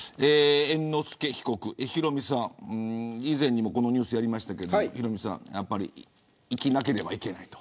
猿之助被告、以前にもこのニュースやりましたがヒロミさん生きなければいけないと。